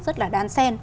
rất là đan sen